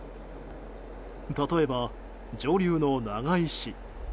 例えば、上流の長井市。